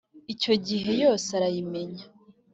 icyo gihe, yose arayimenya.